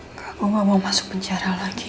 nggak gua gak mau masuk penjara lagi